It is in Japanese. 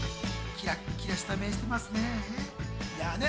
キラキラした目をしてますね。